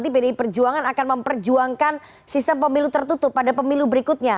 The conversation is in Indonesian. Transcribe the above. pdi perjuangan akan memperjuangkan sistem pemilu tertutup pada pemilu berikutnya